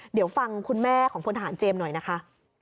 เดี๋ยวฟังคุณแม่ของพลทหารเจมส์หน่อยนะคะ